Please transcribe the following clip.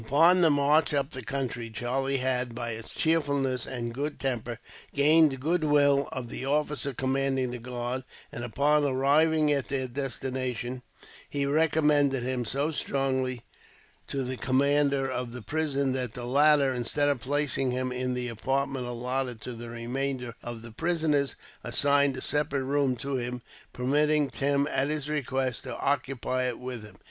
Upon the march up the country Charlie had, by his cheerfulness and good temper, gained the goodwill of the officer commanding the guard; and upon arriving at their destination, he recommended him so strongly to the commander of the prison that the latter, instead of placing him in the apartment allotted to the remainder of the prisoners, assigned a separate room to him; permitting Tim, at his request, to occupy it with him.